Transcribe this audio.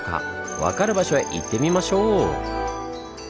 分かる場所へ行ってみましょう！